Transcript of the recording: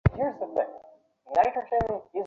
এ কারণেই এমন নামকরণ করেছি।